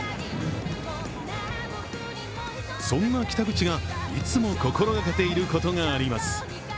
そんな北口が、いつも心掛けていることがあります。